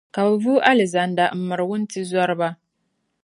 Ka bɛ vuui Alizanda m-miri wuntizɔriba.